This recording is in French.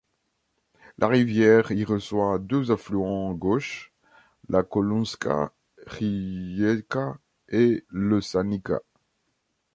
La rivière y reçoit deux affluents gauches, la Kolunska rijeka et l'Osanica.